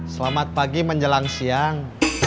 selamat pagi menjelang siang